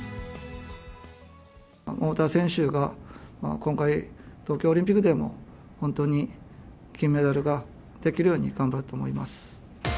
桃田選手が今回、東京オリンピックでも本当に金メダルができるように頑張ると思います。